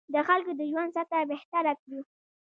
د خلکو د ژوند سطح بهتره کړو.